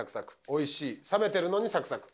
「おいしい」「さめてるのにサクサク」